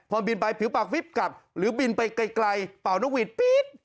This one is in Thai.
พอบินไปผิวปากวิบกลับหรือบินไปไกลเป่านกหวีดปี๊ด